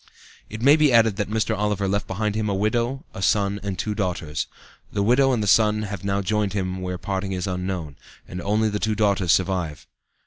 It may be added that Mr. Oliver left behind him a widow, a son and two daughters. The widow and the son have now joined him where parting is unknown, and only the two daughters survive.